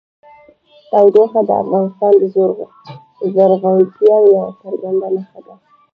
تودوخه د افغانستان د زرغونتیا یوه څرګنده نښه ده.